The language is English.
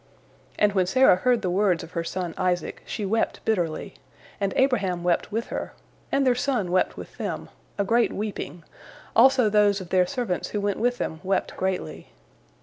And when Sarah heard the words of her son Isaac, she wept bitterly, and Abraham wept with her, and their son wept with them, a great weeping, also those of their servants who went with them wept greatly.